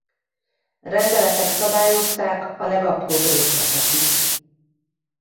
Rendeletek szabályozták a legapróbb részletekig.